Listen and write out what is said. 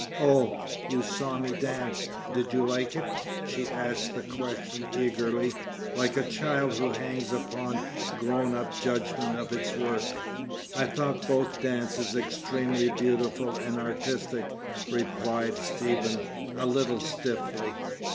"Oh, you saw me dance! Did you like it?" She asked the question eagerly, like a child who hangs upon grown up judgment of its work. "I thought both dances extremely beautiful and artistic," replied Stephen, a little stiffly.